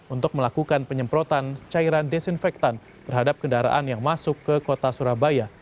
untuk melakukan penyemprotan cairan desinfektan terhadap kendaraan yang masuk ke kota surabaya